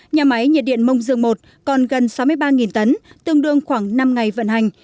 nhà máy nhiệt điện mông dương i còn gần sáu mươi ba tấn tương đương khoảng năm ngày vận hành